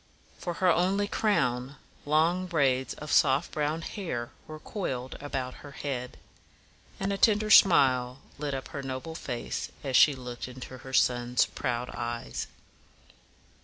For her only crown, long braids of soft brown hair were coiled about her head; and a tender smile lit up her noble face as she looked into her sons' proud eyes.